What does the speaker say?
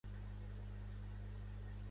Telefona a la Sol Vivero.